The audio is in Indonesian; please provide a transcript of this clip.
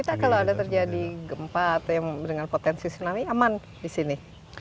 kita kalau ada terjadi gempa atau yang dengan potensi tsunami aman di sini